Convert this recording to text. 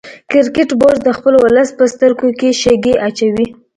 کرکټ بورډ د خپل ولس په سترګو کې شګې اچوي